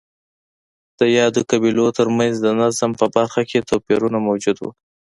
د یادو قبیلو ترمنځ د نظم په برخه کې توپیرونه موجود وو